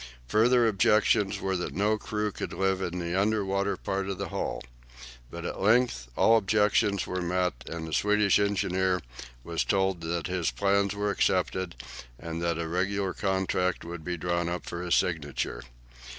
Further objections were that no crew could live in the under water part of the hull. But at length all objections were met, and the Swedish engineer was told that his plans were accepted, and that a regular contract would be drawn up for his signature.